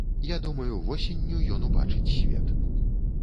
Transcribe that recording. Я думаю, восенню ён убачыць свет.